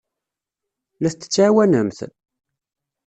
La t-tettɛawanemt?